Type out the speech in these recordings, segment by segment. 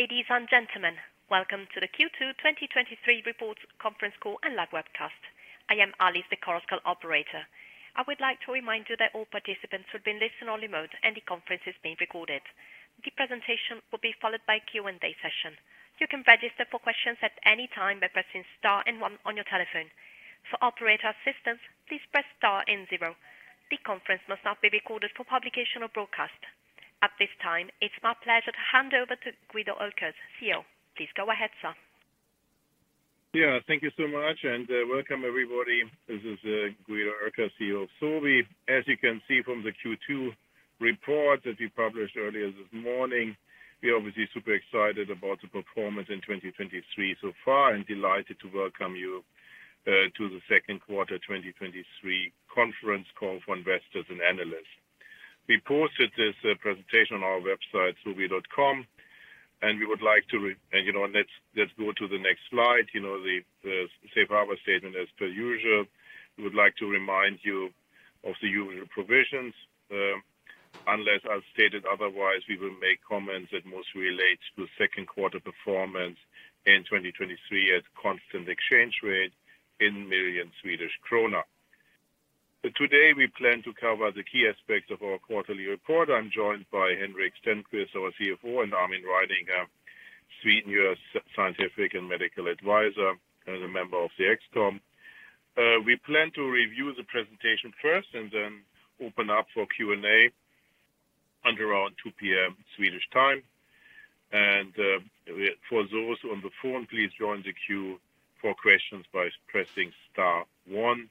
Ladies and gentlemen, welcome to the Q2 2023 reports conference call and live webcast. I am Alice, the Chorus Call operator. I would like to remind you that all participants will be in listen-only mode, and the conference is being recorded. The presentation will be followed by a Q&A session. You can register for questions at any time by pressing star and one on your telephone. For operator assistance, please press star and zero. The conference must not be recorded for publication or broadcast. At this time, it's my pleasure to hand over to Guido Oelkers, CEO. Please go ahead, sir. Thank you so much, and welcome, everybody. This is Guido Oelkers, CEO of Sobi. As you can see from the Q2 report that we published earlier this morning, we are obviously super excited about the performance in 2023 so far and delighted to welcome you to the second quarter 2023 conference call for investors and analysts. We posted this presentation on our website, sobi.com, and we would like to go to the next slide. The safe harbor statement as per usual, we would like to remind you of the usual provisions. Unless, as stated otherwise, we will make comments that mostly relates to second quarter performance in 2023 at constant exchange rate in million Swedish krona. Today, we plan to cover the key aspects of our quarterly report. I'm joined by Henrik Stenqvist, our CFO, and Armin Reininger, our sweet new scientific and medical advisor and a member of the ExCom. We plan to review the presentation first and then open up for Q&A around 2:00 P.M. Swedish time. For those on the phone, please join the queue for questions by pressing star one.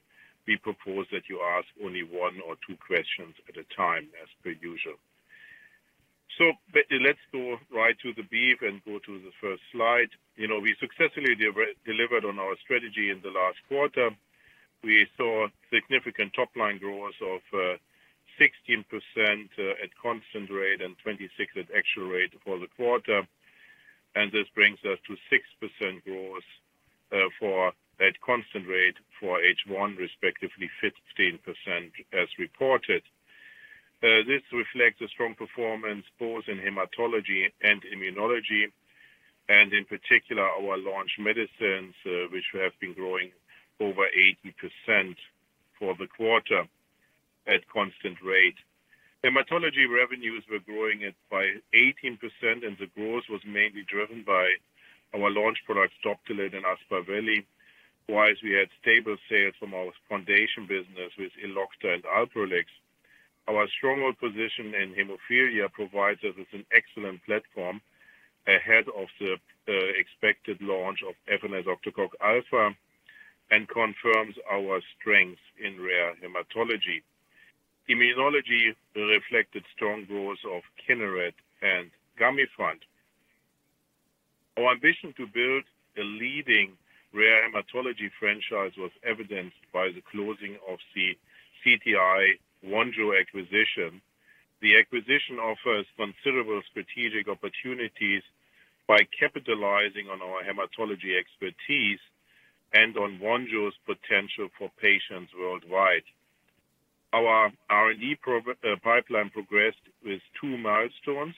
We propose that you ask only one or two questions at a time, as per usual. Let's go right to the beef and go to the first slide. You know, we successfully delivered on our strategy in the last quarter. We saw significant top-line growth of 16% at constant rate and 26% at actual rate for the quarter. This brings us to 6% growth for at constant rate for H1, respectively, 15% as reported. This reflects a strong performance both in hematology and immunology, and in particular, our launch medicines, which have been growing over 80% for the quarter at constant rate. Hematology revenues were growing at by 18%, and the growth was mainly driven by our launch products, Doptelet and Aspaveli. Whilst we had stable sales from our foundation business with Elocta and Alprolix. Our stronghold position in hemophilia provides us with an excellent platform ahead of the expected launch of efanesoctocog alfa and confirms our strength in rare hematology. Immunology reflected strong growth of Kineret and Gamifant. Our ambition to build a leading rare hematology franchise was evidenced by the closing of the CTI Vonjo acquisition. The acquisition offers considerable strategic opportunities by capitalizing on our hematology expertise and on Vonjo's potential for patients worldwide. Our R&D pipeline progressed with two milestones.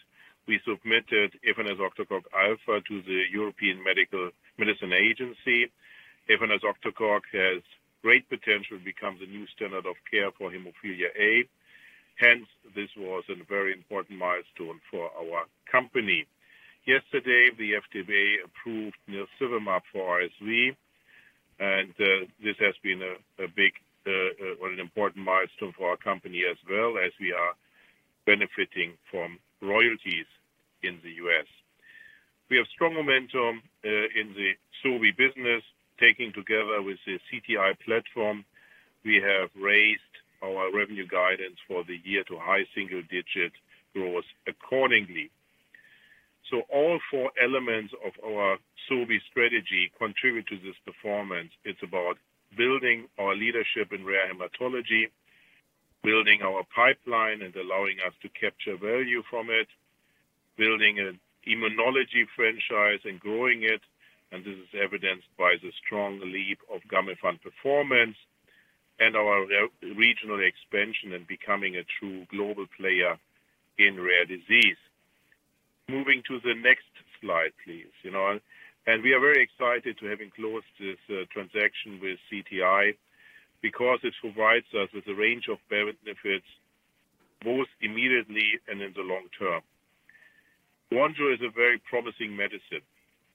We submitted efanesoctocog alfa to the European Medicines Agency. efanesoctocog has great potential to become the new standard of care for hemophilia A. This was a very important milestone for our company. Yesterday, the FDA approved nirsevimab for RSV, this has been a big or an important milestone for our company as well as we are benefiting from royalties in the U.S. We have strong momentum in the Sobi business, taking together with the CTI platform, we have raised our revenue guidance for the year to high single-digit growth accordingly. All four elements of our Sobi strategy contribute to this performance. It's about building our leadership in rare hematology, building our pipeline and allowing us to capture value from it, building an immunology franchise and growing it. This is evidenced by the strong leap of Gamifant performance and our regional expansion and becoming a true global player in rare disease. Moving to the next slide, please. You know, we are very excited to having closed this transaction with CTI because it provides us with a range of benefits, both immediately and in the long term. Vonjo is a very promising medicine.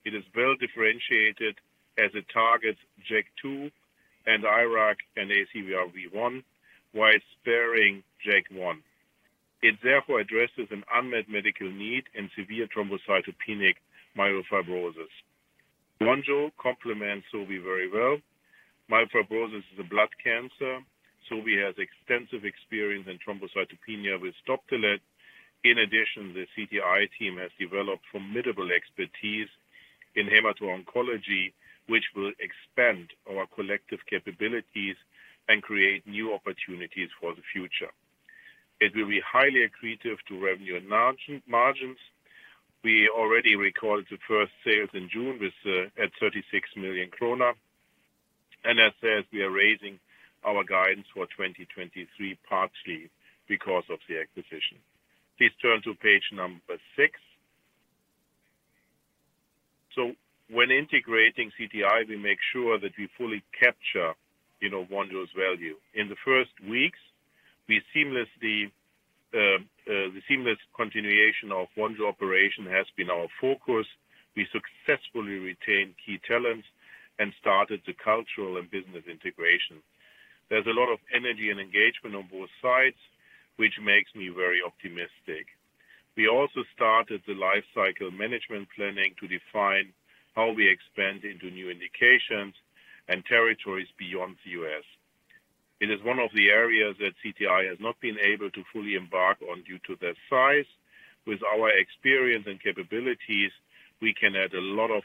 It is well differentiated as it targets JAK2 and IRAK and ACVR1, while sparing JAK1. It therefore addresses an unmet medical need in severe thrombocytopenic myelofibrosis. Vonjo complements Sobi very well. Myelofibrosis is a blood cancer. Sobi has extensive experience in thrombocytopenia with Doptelet. In addition, the CTI team has developed formidable expertise in hemato-oncology, which will expand our collective capabilities and create new opportunities for the future. It will be highly accretive to revenue and margins. We already recorded the first sales in June with at 36 million krona. As said, we are raising our guidance for 2023, partly because of the acquisition. Please turn to page number six. When integrating CTI, we make sure that we fully capture, you know, Vonjo's value. In the first weeks, we seamlessly the seamless continuation of Vonjo operation has been our focus. We successfully retained key talents and started the cultural and business integration. There's a lot of energy and engagement on both sides, which makes me very optimistic. We also started the life cycle management planning to define how we expand into new indications and territories beyond the U.S. It is one of the areas that CTI has not been able to fully embark on due to their size. With our experience and capabilities, we can add a lot of,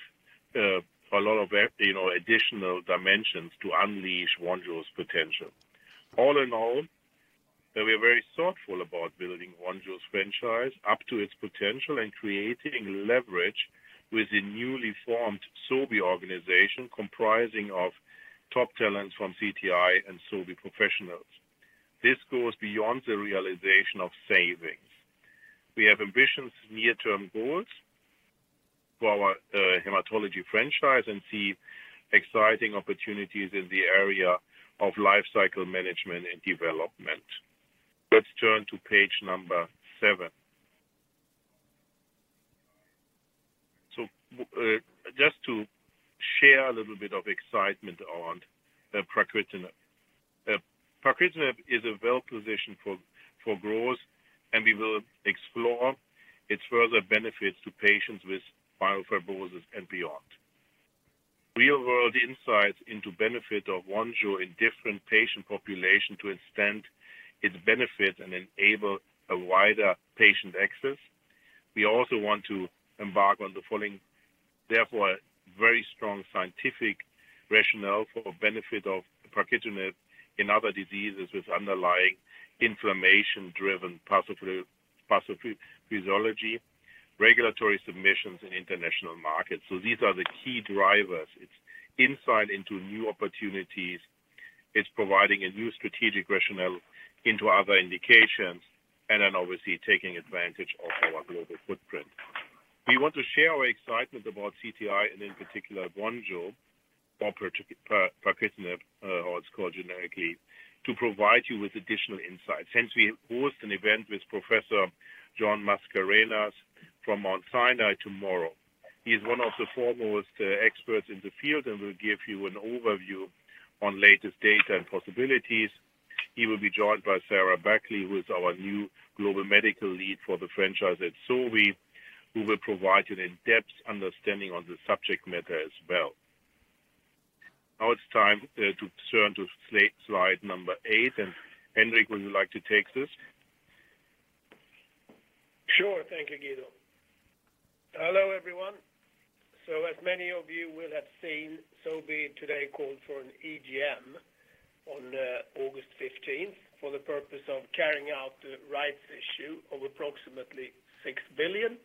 a lot of, you know, additional dimensions to unleash Vonjo's potential. All in all, we are very thoughtful about building Vonjo's franchise up to its potential and creating leverage with the newly formed Sobi organization, comprising of top talents from CTI and Sobi professionals. This goes beyond the realization of savings. We have ambitious near-term goals for our hematology franchise and see exciting opportunities in the area of life cycle management and development. Let's turn to page number 7. Just to share a little bit of excitement on pacritinib. pacritinib is a well-positioned for growth, and we will explore its further benefits to patients with myelofibrosis and beyond. Real-world insights into benefit of Vonjo in different patient population to extend its benefit and enable a wider patient access. We also want to embark on the following, therefore, a very strong scientific rationale for benefit of pacritinib in other diseases with underlying inflammation-driven pathophysiology, regulatory submissions in international markets. These are the key drivers. It's insight into new opportunities. It's providing a new strategic rationale into other indications then obviously, taking advantage of our global footprint. We want to share our excitement about CTI and in particular, VONJO or pacritinib, how it's called generically, to provide you with additional insights. Since we hosted an event with Professor John Mascarenhas from Mount Sinai tomorrow. He is one of the foremost experts in the field and will give you an overview on latest data and possibilities. He will be joined by Sarah Buckley, who is our new global medical lead for the franchise at Sobi, who will provide you an in-depth understanding on the subject matter as well. Now it's time to turn to slide 8. Henrik, would you like to take this? Sure. Thank you, Guido. Hello, everyone. As many of you will have seen, Sobi today called for an EGM on August 15th, for the purpose of carrying out the rights issue of approximately 6 billion,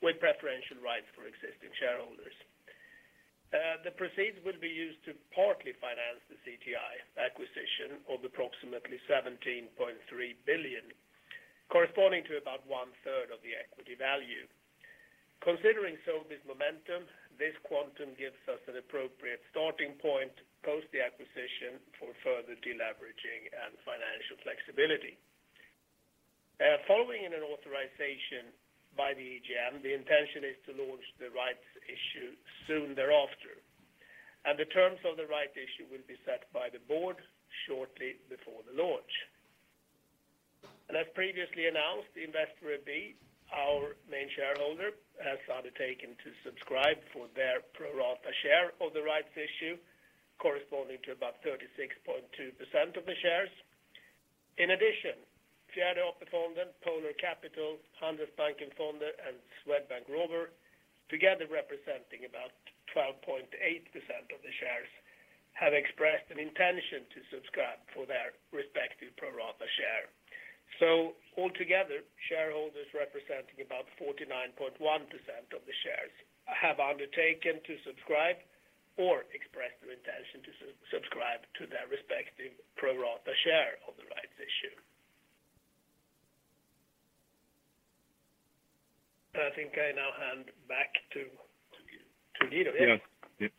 with preferential rights for existing shareholders. The proceeds will be used to partly finance the CTI acquisition of approximately 17.3 billion, corresponding to about one third of the equity value. Considering Sobi's momentum, this quantum gives us an appropriate starting point, post the acquisition, for further deleveraging and financial flexibility. Following an authorization by the EGM, the intention is to launch the rights issue soon thereafter, and the terms of the right issue will be set by the board shortly before the launch. As previously announced, Investor AB, our main shareholder, has undertaken to subscribe for their pro rata share of the rights issue, corresponding to about 36.2% of the shares. In addition, Fjärde AP-fonden, Polar Capital, Handelsbanken Fonder and Swedbank Robur, together representing about 12.8% of the shares, have expressed an intention to subscribe for their respective pro rata share. Altogether, shareholders representing about 49.1% of the shares have undertaken to subscribe or expressed their intention to subscribe to their respective pro rata share of the rights issue. I think I now hand back. To you. To Guido, yeah.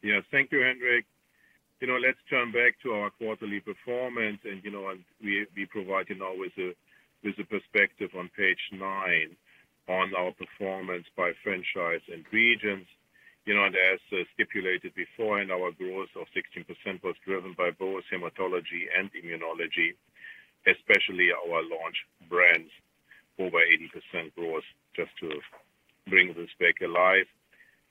Yes. Thank you, Henrik. You know, let's turn back to our quarterly performance. You know, we provide, you know, with a perspective on page nine on our performance by franchise and regions. You know, as stipulated before, our growth of 16% was driven by both hematology and immunology, especially our launch brands, over 80% growth, just to bring this back alive.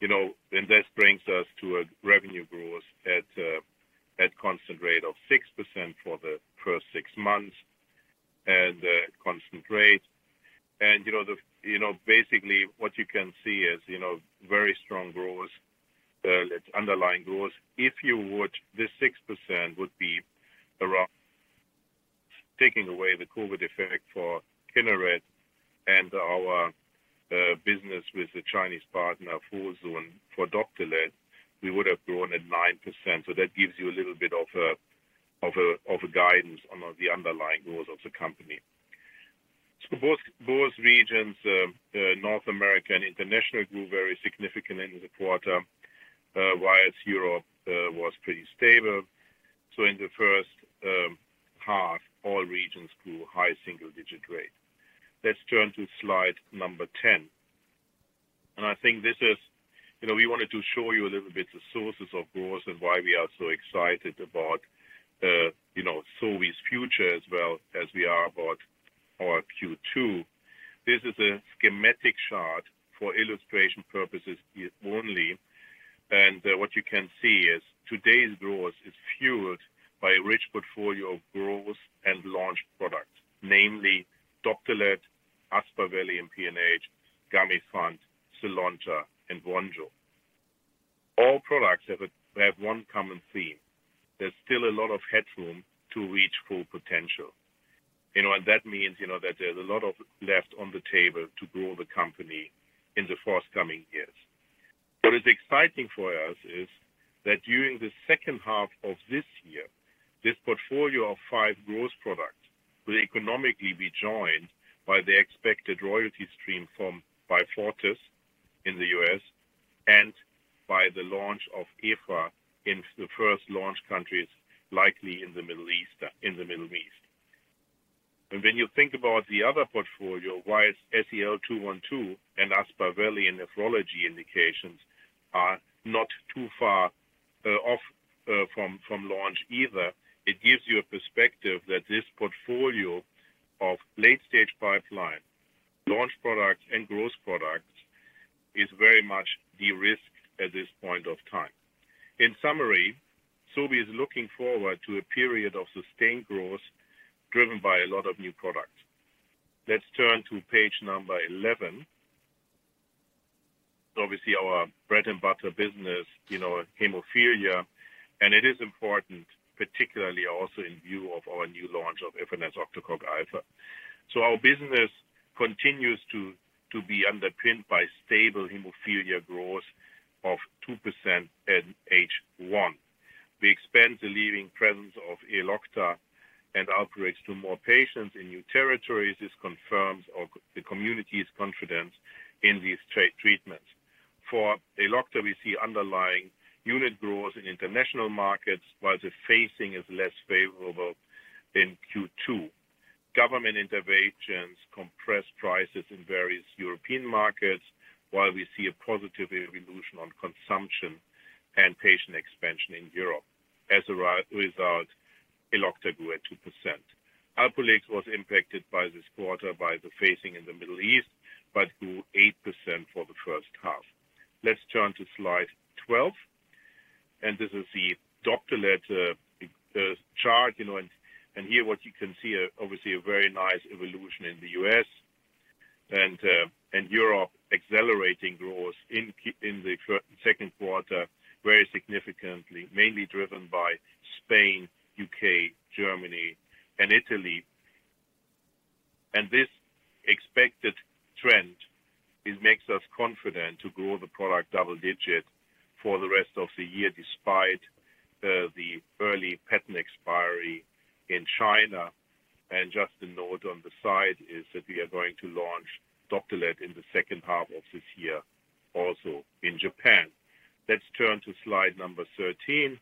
You know, this brings us to a revenue growth at constant rate of 6% for the first six months at a constant rate. You know, basically what you can see is, you know, very strong growth, it's underlying growth. If you would, this 6% would be around. taking away the COVID effect for Kineret and our business with the Chinese partner, Fosun, for Doptelet, we would have grown at 9% so that gives you a little bit of a guidance on the underlying growth of the company. Both regions, North America and International, grew very significantly in the quarter, whereas Europe was pretty stable. In the first half, all regions grew high single-digit rate. Let's turn to slide number 10. I think this is, you know, we wanted to show you a little bit the sources of growth and why we are so excited about, you know, Sobi's future as well as we are about our Q2. This is a schematic chart for illustration purposes only. What you can see is today's growth is fueled by a rich portfolio of growth and launch products, namely Doptelet, Aspaveli in PNH, Gamifant, Zynlonta and Vonjo. All products have one common theme. There's still a lot of headroom to reach full potential. You know, that means, you know, that there's a lot of left on the table to grow the company in the forthcoming years. What is exciting for us is that during the second half of this year, this portfolio of five growth products will economically be joined by the expected royalty stream from Beyfortus in the US and by the launch of efa in the first launch countries, likely in the Middle East. When you think about the other portfolio, why is SEL-212 and Aspaveli in nephrology indications are not too far off from launch either. It gives you a perspective that this portfolio of late-stage pipeline, launch products and growth products is very much de-risked at this point of time. In summary, Sobi is looking forward to a period of sustained growth, driven by a lot of new products. Let's turn to page number 11. Obviously, our bread and butter business, you know, haemophilia, and it is important, particularly also in view of our new launch of efanesoctocog alfa. Our business continues to be underpinned by stable haemophilia growth of 2% at H1. We expand the leading presence of Elocta and outreach to more patients in new territories. This confirms or the community's confidence in these treatments. For Elocta, we see underlying unit growth in international markets, while the phasing is less favorable in Q2. Government interventions, compressed prices in various European markets, while we see a positive evolution on consumption and patient expansion in Europe. As a result, Elocta grew at 2%. Alprolix was impacted by this quarter by the phasing in the Middle East, but grew 8% for the first half. Let's turn to slide 12, and this is the Doptelet chart, you know, and here what you can see are obviously a very nice evolution in the U.S. and Europe, accelerating growth in the second quarter very significantly, mainly driven by Spain, U.K., Germany, and Italy. This expected trend, it makes us confident to grow the product double-digit for the rest of the year, despite the early patent expiry in China. Just a note on the side is that we are going to launch Doptelet in the second half of this year, also in Japan. Let's turn to slide number 13.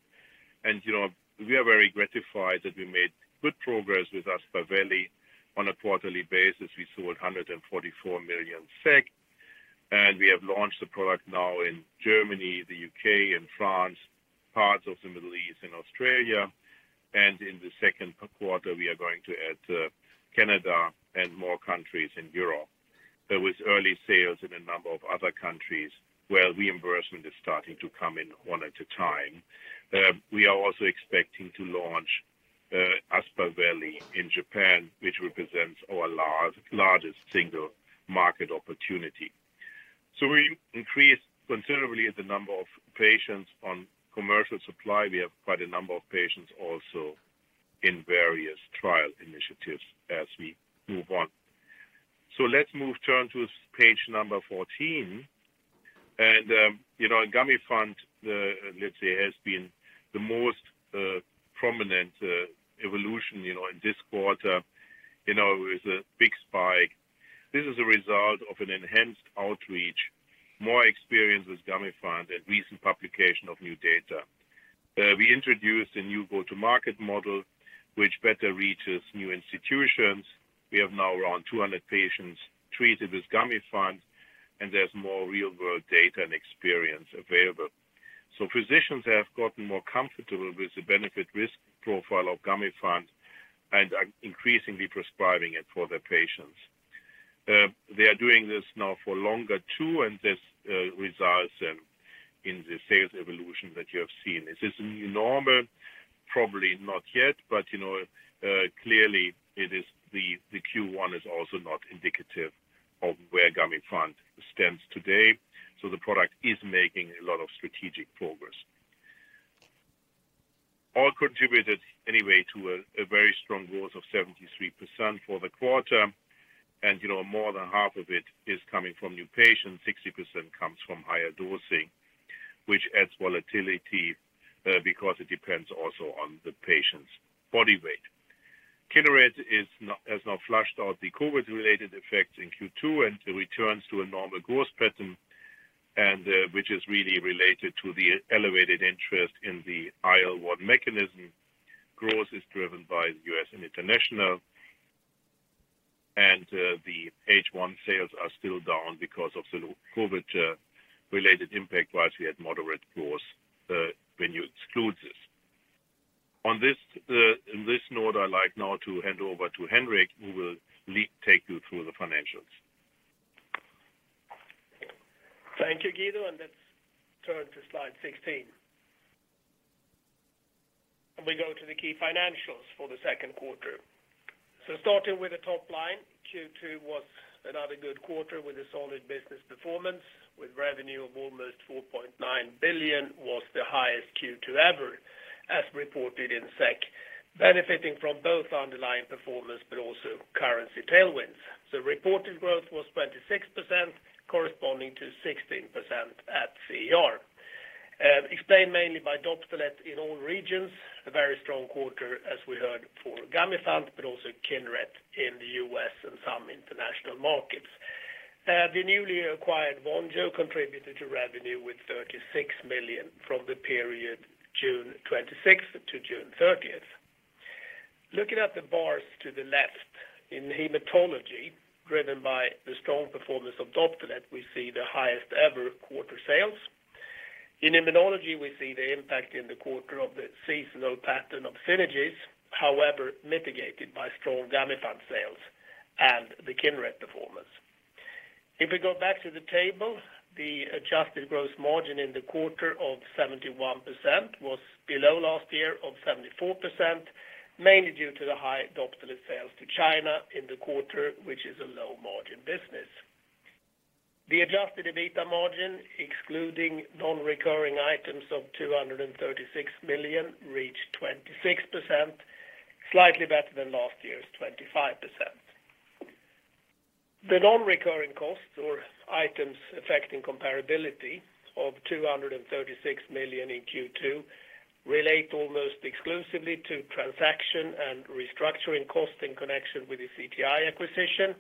You know, we are very gratified that we made good progress with Aspaveli. On a quarterly basis, we sold 144 million SEK, and we have launched the product now in Germany, the U.K. and France, parts of the Middle East and Australia. In the second quarter, we are going to add Canada and more countries in Europe. There was early sales in a number of other countries where reimbursement is starting to come in one at a time. We are also expecting to launch Aspaveli in Japan, which represents our largest single market opportunity. We increased considerably the number of patients on commercial supply. We have quite a number of patients also in various trial initiatives as we move on. So let's move on to page 14. You know, Gamifant has been the most prominent evolution, you know, in this quarter. You know, it was a big spike. This is a result of an enhanced outreach, more experience with Gamifant and recent publication of new data. We introduced a new go-to-market model, which better reaches new institutions. We have now around 200 patients treated with Gamifant, and there's more real-world data and experience available. Physicians have gotten more comfortable with the benefit-risk profile of Gamifant and are increasingly prescribing it for their patients. They are doing this now for longer, too, and this results in the sales evolution that you have seen. Is this a new normal? Probably not yet, but you know, clearly it is the Q1 is also not indicative of where Gamifant stands today, so the product is making a lot of strategic progress. All contributed anyway to a very strong growth of 73% for the quarter, and, you know, more than half of it is coming from new patients. 60% comes from higher dosing, which adds volatility, because it depends also on the patient's body weight. Kineret has not flushed out the COVID-related effects in Q2, and it returns to a normal growth pattern, which is really related to the elevated interest in the IL-1 mechanism. Growth is driven by U.S. and international, and the H1 sales are still down because of the COVID related impact. While we had moderate growth when you exclude this. On this, in this note, I'd like now to hand over to Henrik, who will take you through the financials. Thank you, Guido, and let's turn to slide 16. We go to the key financials for the second quarter. Starting with the top line, Q2 was another good quarter with a solid business performance, with revenue of almost 4.9 billion, was the highest Q2 ever, as reported in SEK. Benefiting from both underlying performance but also currency tailwinds. Reported growth was 26%, corresponding to 16% at CER, explained mainly by Doptelet in all regions, a very strong quarter, as we heard, for Gamifant, but also Kineret in the U.S. and some international markets. The newly acquired Vonjo contributed to revenue with 36 million from the period June 26th to June 30th. Looking at the bars to the left, in hematology, driven by the strong performance of Doptelet, we see the highest ever quarter sales. In immunology, we see the impact in the quarter of the seasonal pattern of Synagis, however, mitigated by strong Gamifant sales and the Kineret performance. If we go back to the table, the adjusted gross margin in the quarter of 71% was below last year of 74%, mainly due to the high Doptelet sales to China in the quarter, which is a low-margin business. The adjusted EBITDA margin, excluding non-recurring items of 236 million, reached 26%, slightly better than last year's 25%. The non-recurring costs or items affecting comparability of 236 million in Q2 relate almost exclusively to transaction and restructuring costs in connection with the CTI acquisition,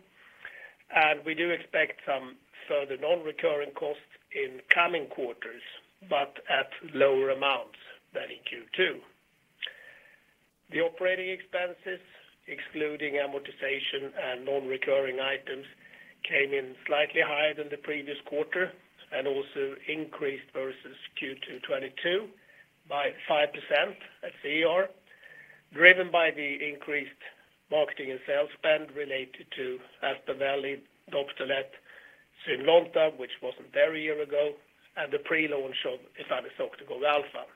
and we do expect some further non-recurring costs in coming quarters, but at lower amounts than in Q2. The operating expenses, excluding amortization and non-recurring items, came in slightly higher than the previous quarter and also increased versus Q2 2022 by 5% at CER, driven by the increased marketing and sales spend related to Aspaveli, Doptelet, Zynlonta, which wasn't there a year ago, and the pre-launch of efanesoctocog alfa,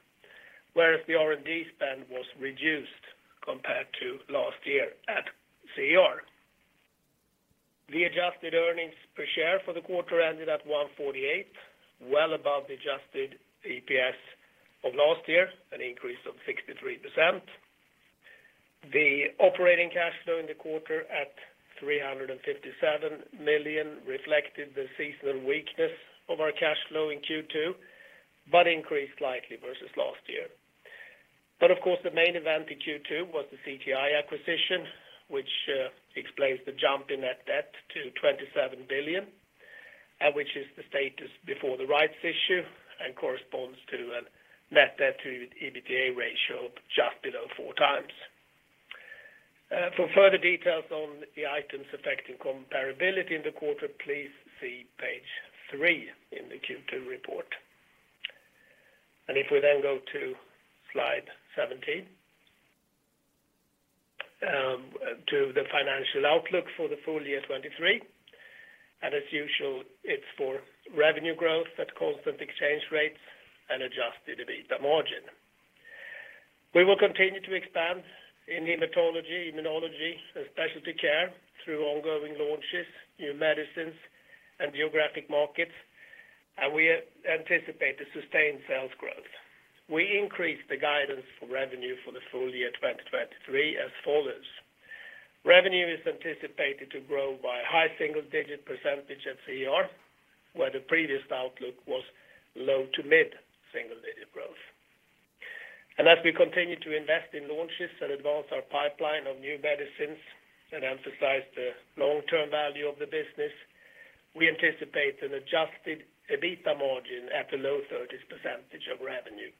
whereas the R&D spend was reduced compared to last year at CER. The adjusted earnings per share for the quarter ended at 1.48, well above the adjusted EPS of last year, an increase of 63%. The operating cash flow in the quarter at 357 million reflected the seasonal weakness of our cash flow in Q2, but increased slightly versus last year. Of course, the main event in Q2 was the CTI acquisition, which explains the jump in net debt to 27 billion, and which is the status before the rights issue and corresponds to a net debt to EBITDA ratio of just below 4x. For further details on the items affecting comparability in the quarter, please see page three in the Q2 report. If we then go to slide 17, to the financial outlook for the full year 2023, and as usual, it's for revenue growth at constant exchange rates and adjusted EBITDA margin. We will continue to expand in hematology, immunology, and specialty care through ongoing launches, new medicines, and geographic markets, and we anticipate a sustained sales growth. We increased the guidance for revenue for the full year 2023 as follows: Revenue is anticipated to grow by high single-digit % at CER, where the previous outlook was low to mid-single-digit % growth. As we continue to invest in launches and advance our pipeline of new medicines and emphasize the long-term value of the business, we anticipate an adjusted EBITDA margin at the low 30s % of revenue,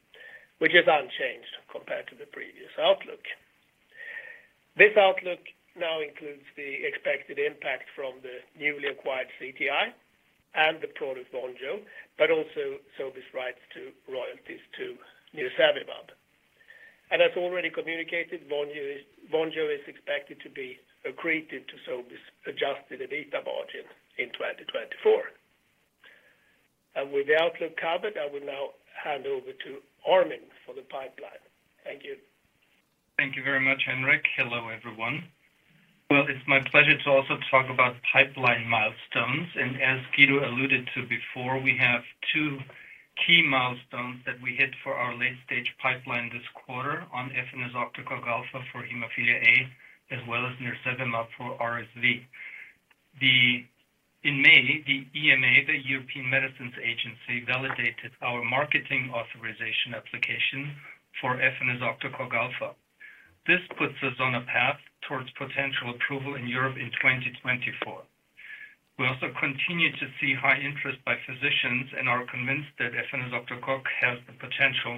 which is unchanged compared to the previous outlook. This outlook now includes the expected impact from the newly acquired CTI and the product Vonjo, but also Sobi's rights to royalties to nirsevimab. As already communicated, Vonjo is expected to be accretive to Sobi's adjusted EBITDA margin in 2024. With the outlook covered, I will now hand over to Armin for the pipeline. Thank you. Thank you very much, Henrik. Hello, everyone. Well, it's my pleasure to also talk about pipeline milestones. As Guido alluded to before, we have two key milestones that we hit for our late-stage pipeline this quarter on efanesoctocog alfa for hemophilia A, as well as nirsevimab for RSV. In May, the EMA, the European Medicines Agency, validated our marketing authorisation application for efanesoctocog alfa. This puts us on a path towards potential approval in Europe in 2024. We also continue to see high interest by physicians and are convinced that efanesoctocog has the potential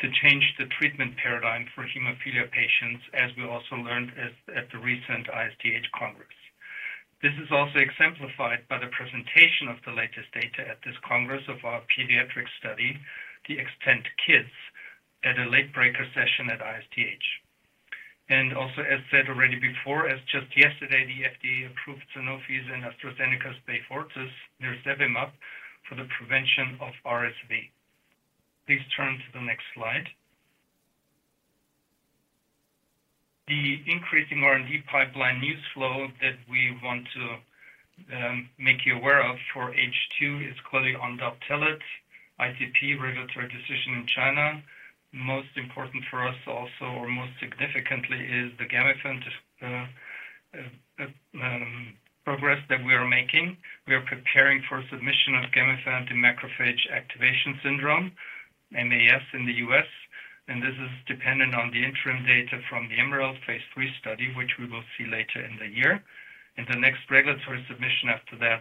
to change the treatment paradigm for hemophilia patients, as we also learned at the recent ISTH Congress. This is also exemplified by the presentation of the latest data at this Congress of our pediatric study, the XTEND-Kids, at a late-breaker session at ISTH. Also, as said already before, as just yesterday, the FDA approved Sanofi and AstraZeneca's Beyfortus, nirsevimab, for the prevention of RSV. Please turn to the next slide. The increasing R&D pipeline news flow that we want to make you aware of for H2 is clearly on Doptelet ITP regulatory decision in China. Most important for us also, or most significantly, is the Gamifant progress that we are making. We are preparing for submission of Gamifant in macrophage activation syndrome, MAS, in the U.S., this is dependent on the interim data from the EMERALD phase III study, which we will see later in the year. The next regulatory submission after that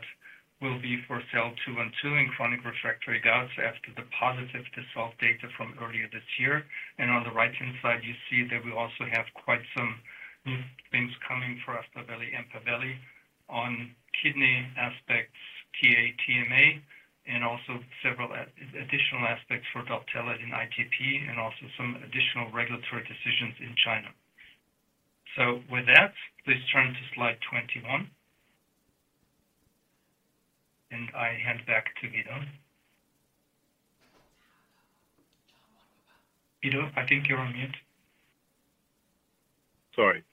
will be for SEL-212 in chronic refractory gout after the positive DISSOLVE data from earlier this year. On the right-hand side, you see that we also have quite some new things coming for Aspaveli and Empaveli on kidney aspects, TA, TMA, and also several additional aspects for Doptelet in ITP, and also some additional regulatory decisions in China. With that, please turn to slide 21. I hand back to Guido. Guido, I think you're on mute. Sorry.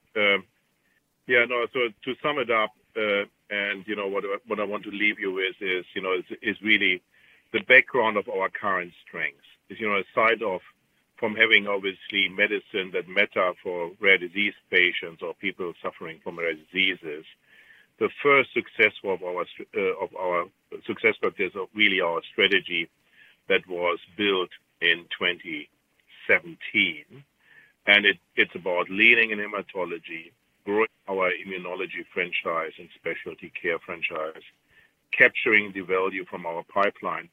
Yeah, no. To sum it up, and, you know, what I want to leave you with is, you know, is really the background of our current strengths. As you know, aside of from having obviously medicine that matter for rare disease patients or people suffering from rare diseases, the first success of our success strategies are really our strategy that was built in 2017, it's about leading in hematology, growing our immunology franchise and specialty care franchise, capturing the value from our pipeline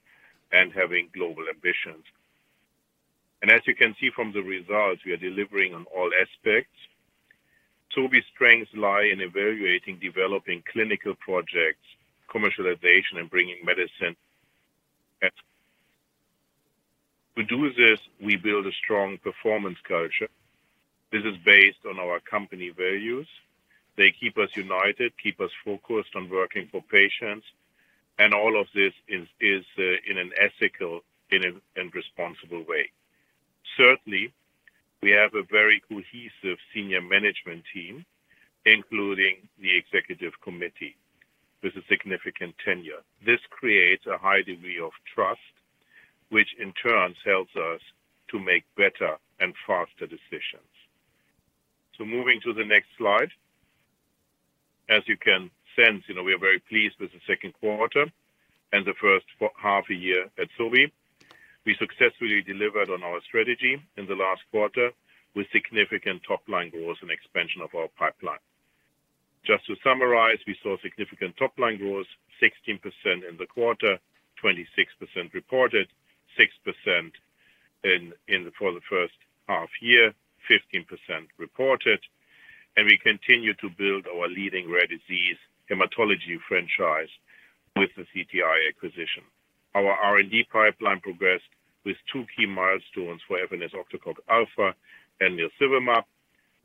and having global ambitions. As you can see from the results, we are delivering on all aspects. Sobi's strengths lie in evaluating, developing clinical projects, commercialization, and bringing medicine. To do this, we build a strong performance culture. This is based on our company values. They keep us united, keep us focused on working for patients, and all of this is, in an ethical and responsible way. Certainly, we have a very cohesive senior management team, including the Executive Committee, with a significant tenure. This creates a high degree of trust, which in turn helps us to make better and faster decisions. Moving to the next slide. As you can sense, you know, we are very pleased with the second quarter and the first half a year at Sobi. We successfully delivered on our strategy in the last quarter with significant top-line growth and expansion of our pipeline. Just to summarize, we saw significant top-line growth, 16% in the quarter, 26% reported, 6% for the first half year, 15% reported. We continue to build our leading rare disease hematology franchise with the CTI acquisition. Our R&D pipeline progressed with two key milestones for efanesoctocog alfa and nirsevimab.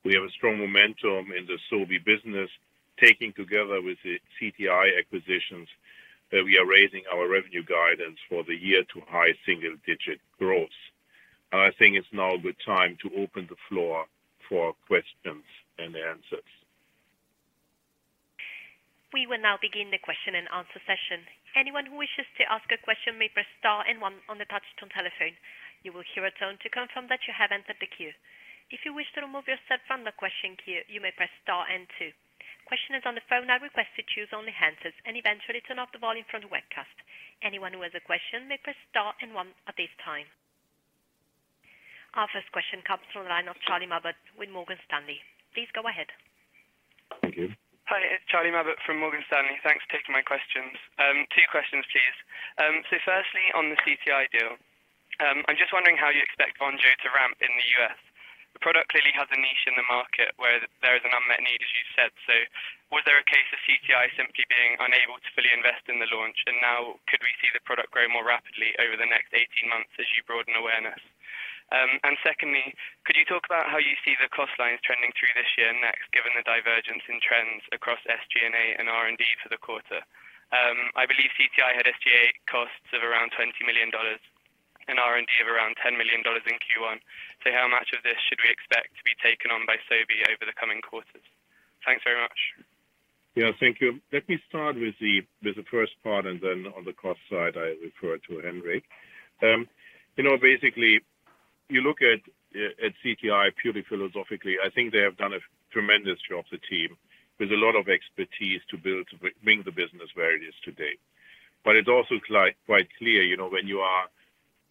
We have a strong momentum in the Sobi business, taking together with the CTI acquisitions, that we are raising our revenue guidance for the year to high single-digit growth. I think it's now a good time to open the floor for questions and answers. We will now begin the question-and-answer session. Anyone who wishes to ask a question may press star and one on the touch-tone telephone. You will hear a tone to confirm that you have entered the queue. If you wish to remove yourself from the question queue, you may press star and two. Questioners on the phone are requested to choose only answers and eventually turn off the volume from the webcast. Anyone who has a question may press star and one at this time. Our first question comes from the line of Charlie Mabbutt with Morgan Stanley. Please go ahead. Thank you. Hi, it's Charlie Mabbutt from Morgan Stanley. Thanks for taking my questions. Two questions, please. Firstly, on the CTI deal, I'm just wondering how you expect Vonjo to ramp in the U.S. The product clearly has a niche in the market where there is an unmet need, as you said. Was there a case of CTI simply being unable to fully invest in the launch, and now could we see the product grow more rapidly over the next 18 months as you broaden awareness? Secondly, could you talk about how you see the cost lines trending through this year and next, given the divergence in trends across SG&A and R&D for the quarter? I believe CTI had SGA costs of around $20 million and R&D of around $10 million in Q1. How much of this should we expect to be taken on by Sobi over the coming quarters? Thanks very much. Yeah, thank you. Let me start with the first part, then on the cost side, I refer to Henrik. You know, basically, you look at CTI purely philosophically, I think they have done a tremendous job, the team, with a lot of expertise to build, to bring the business where it is today. It's also quite clear, you know, when you are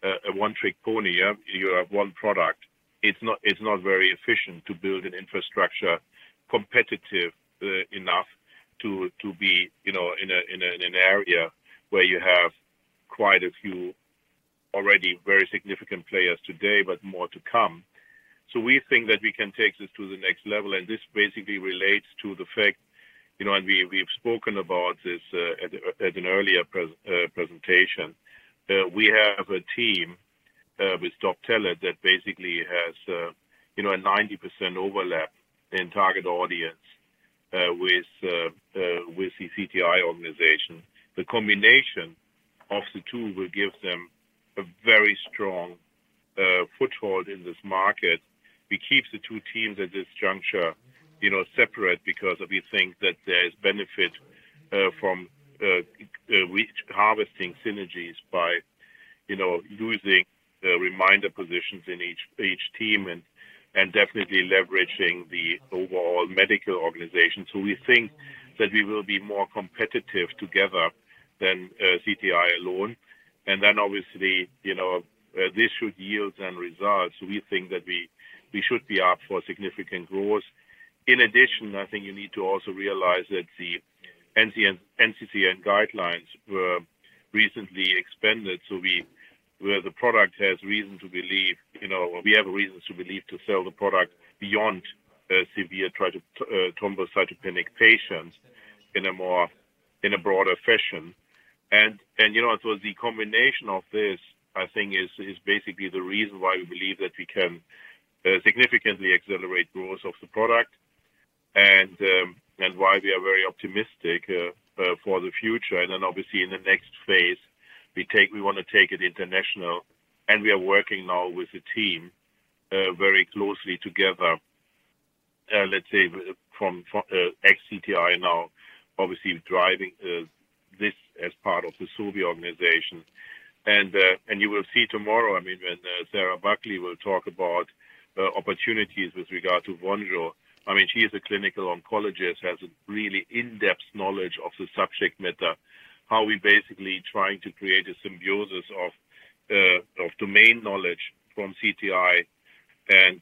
a one-trick pony, yeah, you have one product, it's not very efficient to build an infrastructure competitive enough to be, you know, in an area where you have quite a few already very significant players today, more to come. We think that we can take this to the next level, this basically relates to the fact, you know, we've spoken about this at an earlier presentation. We have a team with Doptelet that basically has, you know, a 90% overlap in target audience with the CTI organization. The combination of the two will give them a very strong foothold in this market. We keep the two teams at this juncture, you know, separate because we think that there is benefit from harvesting synergies by, you know, using the reminder positions in each team, definitely leveraging the overall medical organization. We think that we will be more competitive together than CTI alone. Obviously, you know, this should yield some results. We think that we should be up for significant growth. In addition, I think you need to also realize that the NCCN guidelines were recently expanded. Where the product has reason to believe, you know, or we have a reason to believe, to sell the product beyond severe thrombocytopenic patients in a more, in a broader fashion. you know, the combination of this, I think, is basically the reason why we believe that we can significantly accelerate growth of the product, and why we are very optimistic for the future. obviously in the next phase, we want to take it international. We are working now with the team, very closely together, let's say, from ex-CTI now, obviously driving this as part of the Sobi organization. You will see tomorrow, when Sarah Buckley will talk about opportunities with regard to Vonjo. She is a clinical oncologist, has a really in-depth knowledge of the subject matter, how we basically trying to create a symbiosis of domain knowledge from CTI and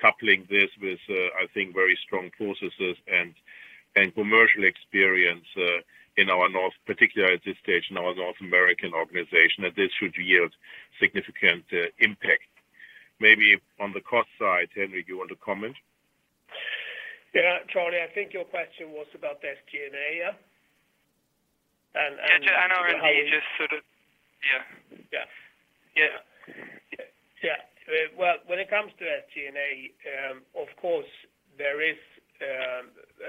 coupling this with I think very strong processes and commercial experience in our North, particularly at this stage, in our North American organization, that this should yield significant impact. Maybe on the cost side, Henrik, you want to comment? Yeah, Charlie, I think your question was about the SG&A, yeah? Yeah, R&D, just sort of, yeah. Yeah. Yeah, yeah. Well, when it comes to SG&A, of course, there is a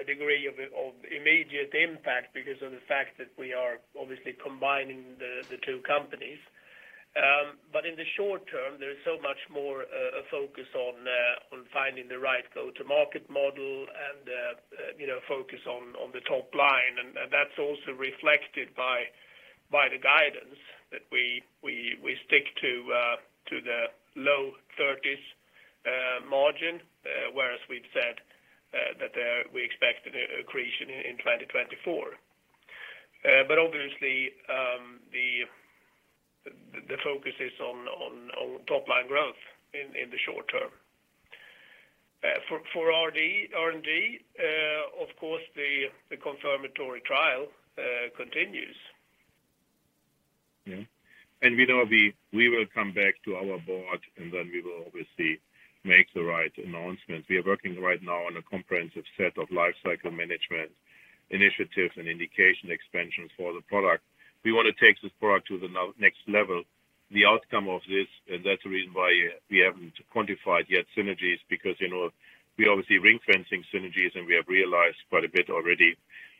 degree of immediate impact because of the fact that we are obviously combining the two companies. In the short term, there is so much more a focus on finding the right go-to-market model and, you know, focus on the top line. That's also reflected by the guidance that we stick to the low thirties margin, whereas we've said that we expect a creation in 2024. Obviously, the focus is on top-line growth in the short term. For R&D, of course, the confirmatory trial continues. Yeah. We know we will come back to our board, we will obviously make the right announcements. We are working right now on a comprehensive set of life cycle management initiatives and indication expansions for the product. We want to take this product to the next level. The outcome of this, and that's the reason why we haven't quantified yet synergies, because, you know, we obviously ring-fencing synergies, and we have realized quite a bit already.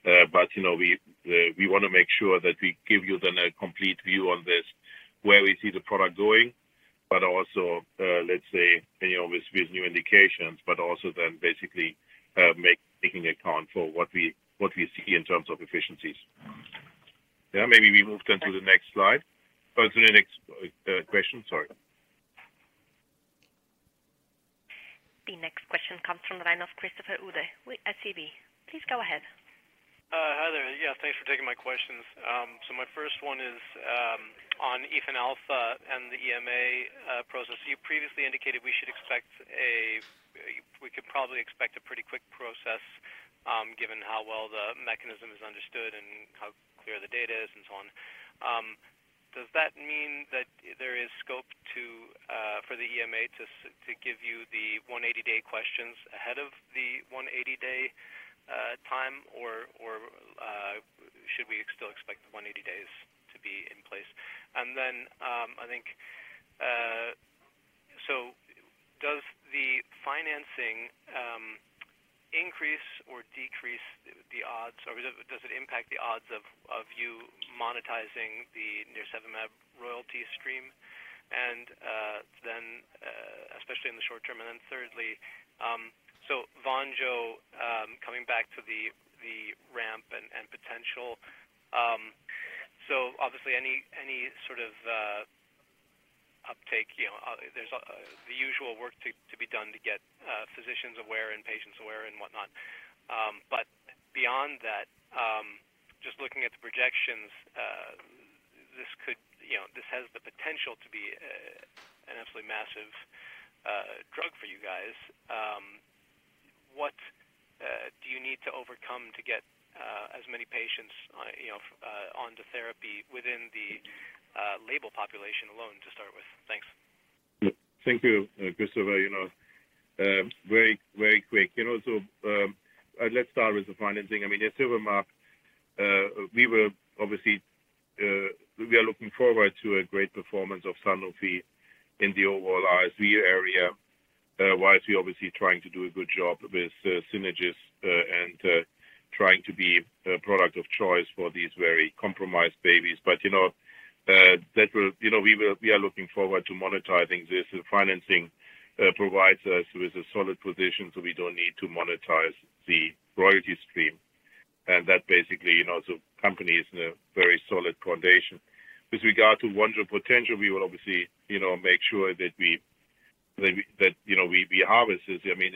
You know, we want to make sure that we give you then a complete view on this, where we see the product going, but also, let's say, you know, with new indications, but also then basically taking account for what we, what we see in terms of efficiencies. Yeah, maybe we move then to the next slide or to the next question. Sorry. The next question comes from the line of Christopher Uhde at SEB. Please go ahead. Hi there. Yeah, thanks for taking my questions. My first one is on efanesoctocog alfa and the EMA process. You previously indicated we could probably expect a pretty quick process, given how well the mechanism is understood and how clear the data is, and so on. Does that mean that there is scope for the EMA to give you the 180-day questions ahead of the 180-day time, or should we still expect the 180 days to be in place? Does it impact the odds of you monetizing the nirsevimab royalty stream? Especially in the short term. Thirdly, Vonjo, coming back to the ramp and potential. Obviously, any sort of uptake, you know, there's the usual work to be done to get physicians aware and patients aware and whatnot. Beyond that, just looking at the projections, this could, you know, this has the potential to be an absolutely massive drug for you guys. What do you need to overcome to get as many patients on, you know, onto therapy within the label population alone to start with? Thanks. Thank you, Christopher. You know, very, very quick. You know, let's start with the financing. I mean, at nirsevimab, we were obviously, we are looking forward to a great performance of Sanofi in the overall RSV area. Sobi obviously trying to do a good job with Synagis, and trying to be a product of choice for these very compromised babies. You know, we are looking forward to monetizing this. financing provides us with a solid position, so we don't need to monetize the royalty stream. That basically, you know, company is in a very solid foundation. With regard to Vonjo potential, we will obviously, you know, make sure that we, you know, we harvest this. I mean,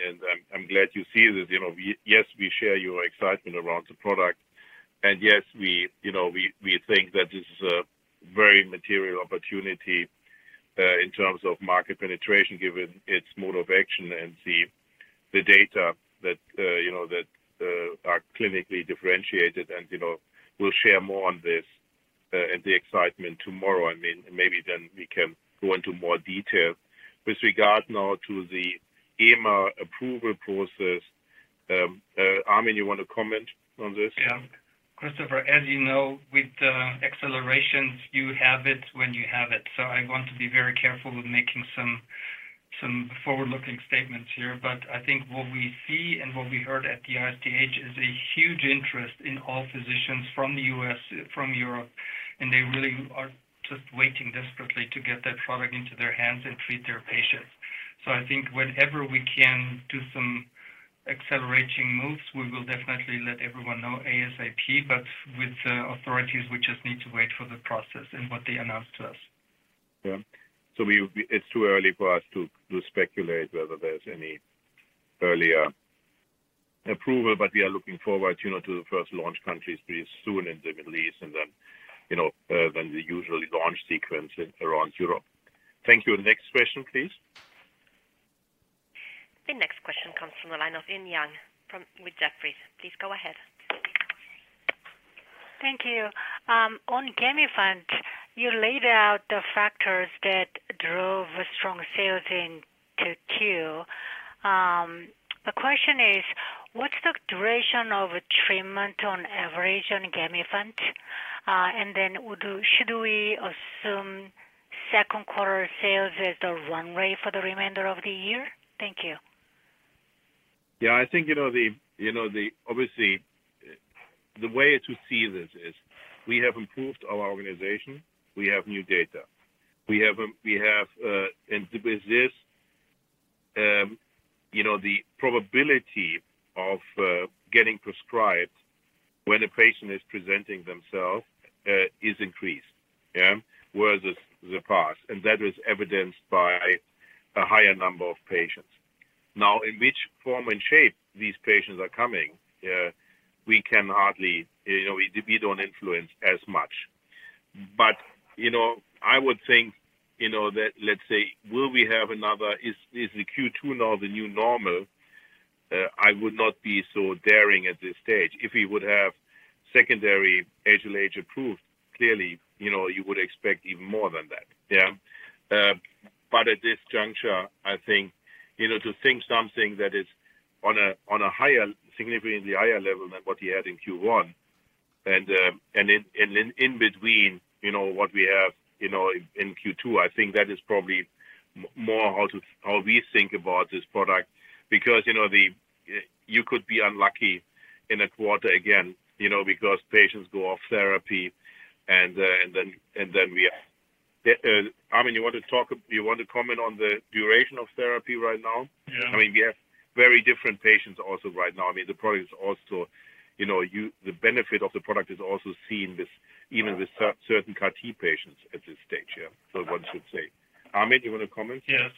I'm glad you see this. You know, we yes, we share your excitement around the product. Yes, we, you know, we think that this is a very material opportunity in terms of market penetration, given its mode of action and the data that, you know, that are clinically differentiated. You know, we'll share more on this and the excitement tomorrow. I mean, maybe then we can go into more detail. With regard now to the EMA approval process, Armin, you want to comment on this? Yeah. Christopher, as you know, with accelerations, you have it when you have it. I want to be very careful with making some forward-looking statements here. I think what we see and what we heard at the ISTH is a huge interest in all physicians from the US, from Europe, and they really are just waiting desperately to get that product into their hands and treat their patients. I think whenever we can do some accelerating moves, we will definitely let everyone know ASAP, but with authorities, we just need to wait for the process and what they announce to us. We it's too early for us to speculate whether there's any earlier approval, but we are looking forward, you know, to the first launch countries pretty soon in the Middle East and then, you know, then the usual launch sequence around Europe. Thank you. Next question, please. The next question comes from the line of Eun Yang, with Jefferies. Please go ahead. Thank you. On Gamifant, you laid out the factors that drove strong sales in 2Q. The question is, what's the duration of treatment on average on Gamifant? Then should we assume second quarter sales is the runway for the remainder of the year? Thank you. I think, you know, obviously, the way to see this is we have improved our organization, we have new data. We have, with this, you know, the probability of getting prescribed when a patient is presenting themselves is increased. Whereas the past, that is evidenced by a higher number of patients. In which form and shape these patients are coming, we can hardly, you know, we don't influence as much. You know, I would think, you know, that let's say, will we have another, is the Q2 now the new normal? I would not be so daring at this stage. If we would have secondary HLH approved, clearly, you know, you would expect even more than that. At this juncture, I think, you know, to think something that is on a, on a higher, significantly higher level than what you had in Q1 and in between, you know, what we have, you know, in Q2, I think that is probably more how to, how we think about this product. You know, the, you could be unlucky in a quarter again, you know, because patients go off therapy and then, and then we are. Armin, you want to talk, you want to comment on the duration of therapy right now? Yeah. I mean, we have very different patients also right now. I mean, the product is also, you know, the benefit of the product is also seen with even with certain CAR-T patients at this stage here. One should say. Armin, you want to comment? Yes.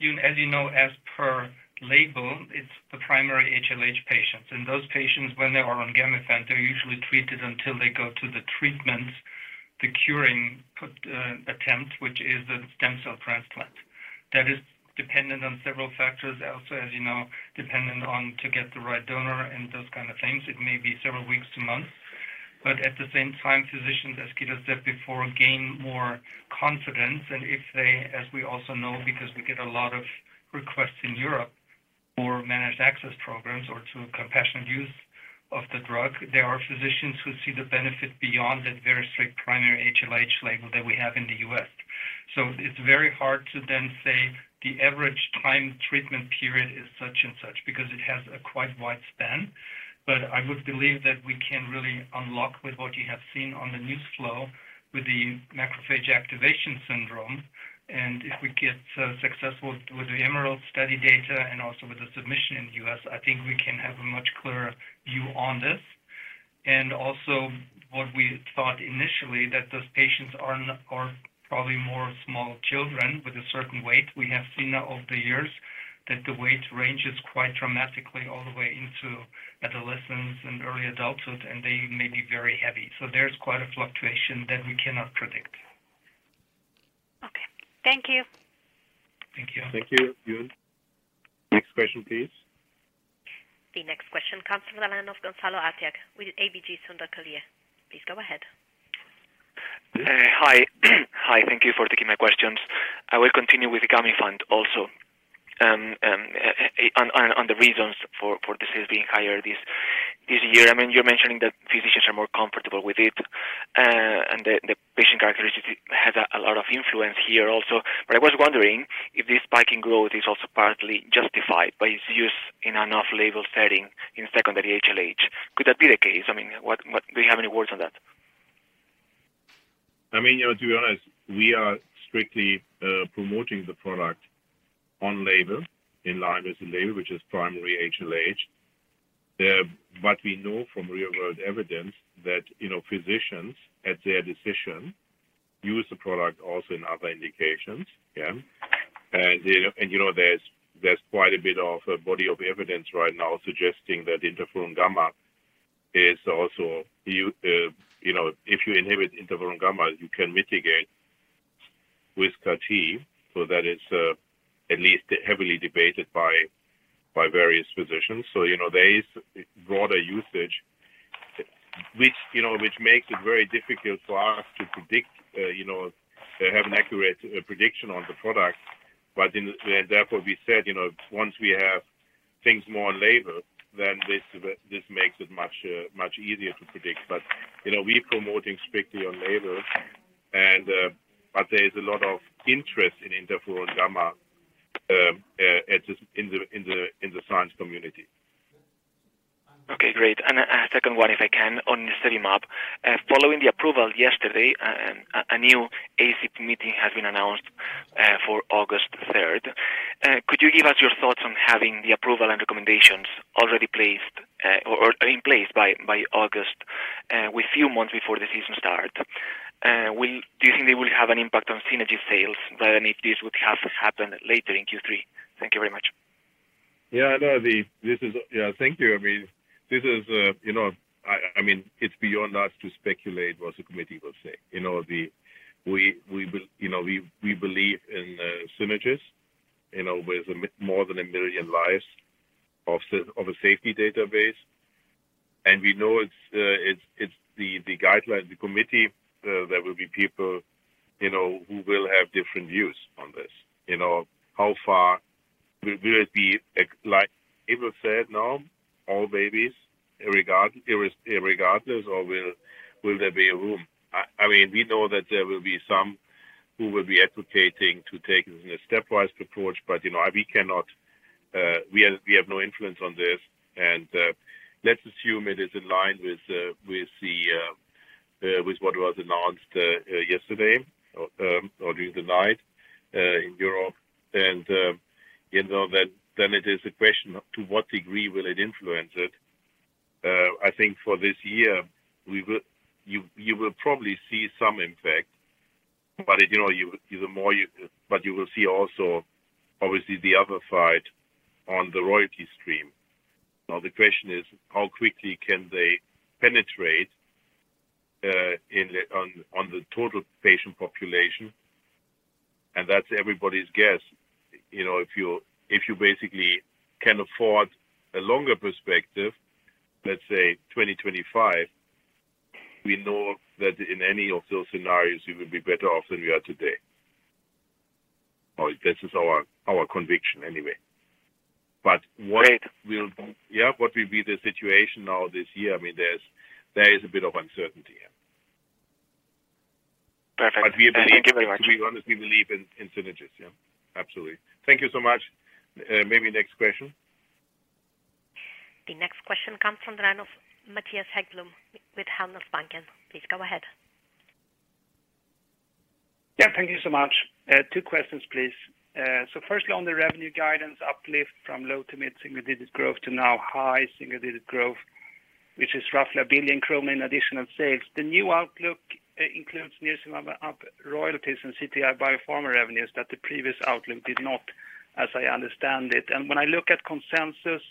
Eun, as you know, as per label, it's the primary HLH patients. Those patients, when they are on Gamifant, they're usually treated until they go to the treatment, the curing attempt, which is the stem cell transplant. That is dependent on several factors. Also, as you know, dependent on to get the right donor and those kind of things. It may be several weeks to months. At the same time, physicians, as Guido said before, gain more confidence and if they, as we also know, because we get a lot of requests in Europe for managed access programs or to compassionate use of the drug, there are physicians who see the benefit beyond that very strict primary HLH label that we have in the US. It's very hard to then say the average time treatment period is such and such, because it has a quite wide span. I would believe that we can really unlock with what you have seen on the news flow with the macrophage activation syndrome. If we get successful with the EMERALD study data and also with the submission in the U.S., I think we can have a much clearer view on this. Also, what we thought initially, that those patients are probably more small children with a certain weight. We have seen over the years that the weight ranges quite dramatically all the way into adolescence and early adulthood, and they may be very heavy. There's quite a fluctuation that we cannot predict. Okay. Thank you. Thank you. Thank you. Next question, please. The next question comes from the line of Gonzalo Artiach with ABG Sundal Collier. Please go ahead. Hi. Hi, thank you for taking my questions. I will continue with the Gamifant also, on the reasons for the sales being higher this year. I mean, you're mentioning that physicians are more comfortable with it, and the patient characteristic has a lot of influence here also. I was wondering if this spike in growth is also partly justified by its use in an off-label setting in secondary HLH. Could that be the case? I mean, what do you have any words on that? I mean, you know, to be honest, we are strictly promoting the product on label, in line with the label, which is primary HLH. But we know from real-world evidence that, you know, physicians, at their decision, use the product also in other indications. Yeah. There's quite a bit of a body of evidence right now suggesting that interferon gamma is also, you know, if you inhibit interferon gamma, you can mitigate with CAR-T, so that it's at least heavily debated by various physicians. There is broader usage, which, you know, which makes it very difficult for us to predict, you know, to have an accurate prediction on the product. We said, you know, once we have things more on label, then this makes it much easier to predict. You know, we're promoting strictly on label and, but there is a lot of interest in interferon gamma in the science community. Okay, great. A second one, if I can, on nirsevimab. Following the approval yesterday, a new ACIP meeting has been announced, for August 3rd. Could you give us your thoughts on having the approval and recommendations already placed, or in place by August, with few months before the season start? Do you think they will have an impact on Synagis sales, rather than if this would have happened later in Q3? Thank you very much. No, this is, yeah, thank you. I mean, this is, you know, I mean, it's beyond us to speculate what the committee will say. You know, we will, you know, we believe in synergies, you know, with more than 1 million lives of a safety database. We know it's, it's the guidelines, the committee, there will be people, you know, who will have different views on this. You know, how far will it be, like, it was said, now, all babies, irregardless, or will there be a room? I mean, we know that there will be some who will be advocating to take it in a stepwise approach, but, you know, we cannot, we have no influence on this. Let's assume it is in line with with the with what was announced yesterday or during the night in Europe. You know, then it is a question, to what degree will it influence it? I think for this year, you will probably see some impact, but, you know, you, the more you, but you will see also, obviously, the other side on the royalty stream. The question is, how quickly can they penetrate in the on the total patient population? That's everybody's guess. You know, if you basically can afford a longer perspective, let's say 2025, we know that in any of those scenarios, you will be better off than you are today. This is our conviction anyway. Great. Yeah, what will be the situation now this year? I mean, there is a bit of uncertainty, yeah. Perfect. we believe-. Thank you very much. To be honest, we believe in synergies. Yeah, absolutely. Thank you so much. Maybe next question? The next question comes from the line of Mattias Häggblom, with Handelsbanken. Please go ahead. Yeah, thank you so much. Two questions, please. Firstly, on the revenue guidance uplift from low to mid single-digit growth to now high single-digit growth, which is roughly 1 billion krona in additional sales. The new outlook includes Nirsevimab up royalties and CTI BioPharma revenues that the previous outlook did not, as I understand it. When I look at consensus,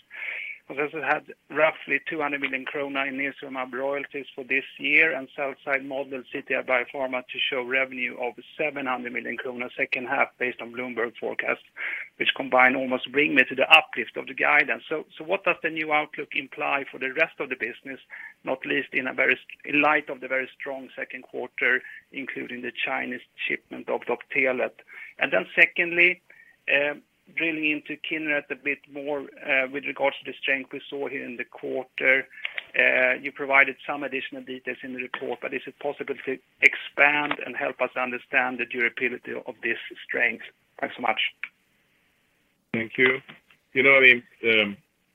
because it had roughly 200 million krona in Nirsevimab royalties for this year, and sell side model CTI BioPharma to show revenue of 700 million kronor second half, based on Bloomberg forecast, which combined almost bring me to the uplift of the guidance. What does the new outlook imply for the rest of the business, not least in light of the very strong second quarter, including the Chinese shipment of Doptelet? Secondly, drilling into Kineret a bit more, with regards to the strength we saw here in the quarter. You provided some additional details in the report, is it possible to expand and help us understand the durability of this strength? Thanks so much. Thank you. You know, I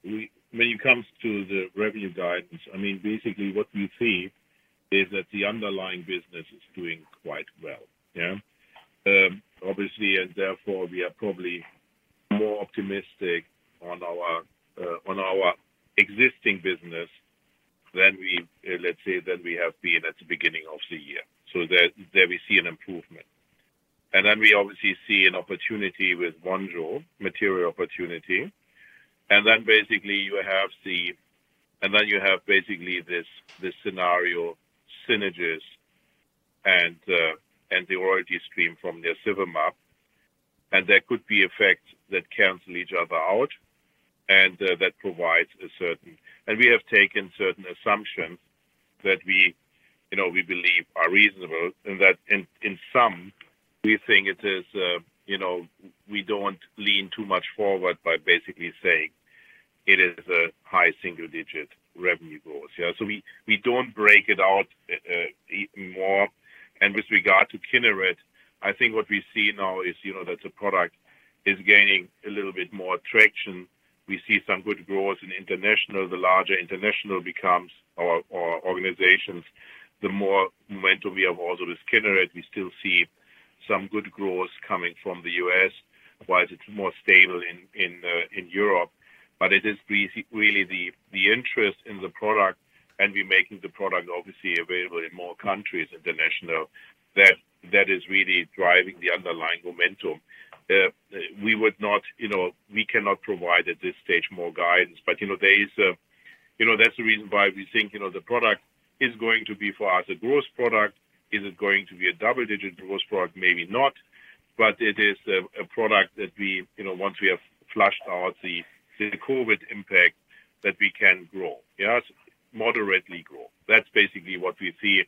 mean, when it comes to the revenue guidance, I mean, basically what we see is that the underlying business is doing quite well. Yeah. Obviously, therefore, we are probably more optimistic on our existing business than we, let's say, than we have been at the beginning of the year. There we see an improvement. We obviously see an opportunity with Vonjo, material opportunity. Basically you have this scenario, synergies and the royalty stream from nirsevimab. There could be effects that cancel each other out, that provides a certain. We have taken certain assumptions that we, you know, we believe are reasonable, and that in some, we think it is, you know, we don't lean too much forward by basically saying it is a high single-digit revenue growth. Yeah, we don't break it out even more. With regard to Kineret, I think what we see now is, you know, that the product is gaining a little bit more traction. We see some good growth in international. The larger international becomes our organizations, the more momentum we have also with Kineret. We still see some good growth coming from the U.S., whilst it's more stable in Europe. It is really the interest in the product, and we making the product obviously available in more countries, international, that is really driving the underlying momentum. We would not, you know, we cannot provide at this stage more guidance, but, you know, that's the reason why we think, you know, the product is going to be, for us, a growth product. Is it going to be a double-digit growth product? Maybe not. It is a product that we, you know, once we have flushed out the COVID impact, that we can grow. Yes, moderately grow. That's basically what we see.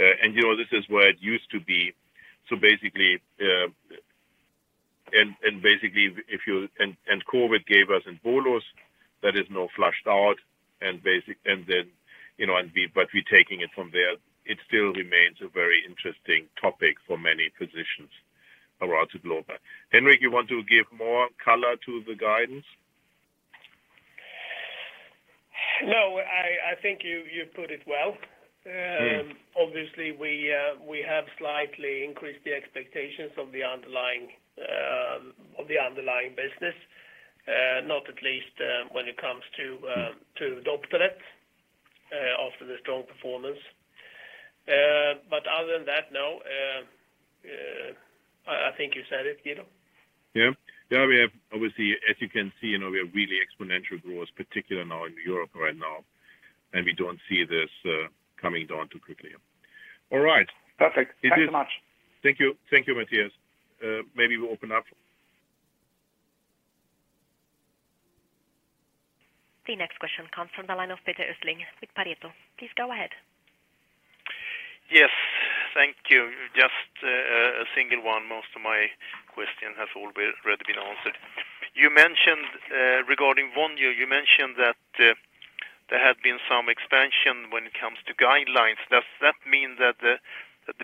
You know, this is where it used to be. Basically, and basically, and COVID gave us and bolus that is now flushed out and then, you know, but we're taking it from there. It still remains a very interesting topic for many physicians around the globe. Henrik, you want to give more color to the guidance? I think you put it well. Mm. Obviously, we have slightly increased the expectations of the underlying business, not at least when it comes to Doptelet after the strong performance. Other than that, no, I think you said it, Guido. Yeah. Yeah, we have obviously, as you can see, you know, we have really exponential growth, particular now in Europe right now. We don't see this coming down too quickly. All right. Perfect. Thanks so much. Thank you. Thank you, Mattias. maybe we open up. The next question comes from the line of Peter Oehling with Pareto. Please go ahead. Yes, thank you. Just, a single one. Most of my question has already been answered. You mentioned, regarding Vonjo, you mentioned that, there had been some expansion when it comes to guidelines. Does that mean that the